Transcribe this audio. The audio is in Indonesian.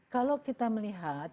kalau kita melihat